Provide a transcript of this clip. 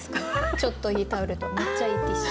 「ちょっといいタオル」と「めっちゃいいティッシュ」。